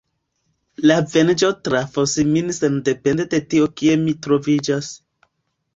La venĝo trafos min sendepende de tio kie mi troviĝas.